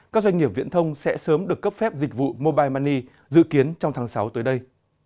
các doanh nghiệp viễn thông sẽ sớm được cấp phép dịch vụ mobile money dự kiến trong tháng sáu tới đây